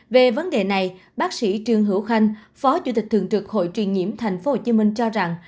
về vấn đề này bác sĩ trương hữu khanh phó chủ tịch thường trực hội truyền nhiễm tp hcm cho rằng